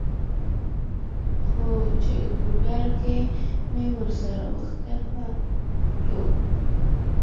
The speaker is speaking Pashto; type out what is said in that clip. خو چې ګودر کښې مې سر ورښکته کړو